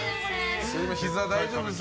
膝大丈夫ですか。